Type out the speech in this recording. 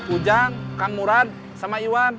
ujang kang murad sama iwan